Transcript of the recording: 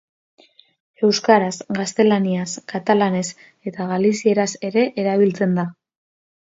Euskaraz, gaztelaniaz, katalanez eta galizieraz ere erabiltzen da.